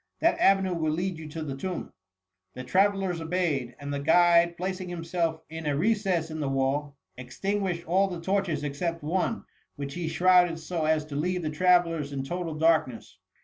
That avenue will lead you to the tomb.'' The travellers obeyed ; and the guide, plac ing himself in a recess in the wall, extin guished all the torches except one, which he shrouded so as to leave the travellers in total darkness.